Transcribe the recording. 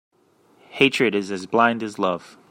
Hatred is as blind as love.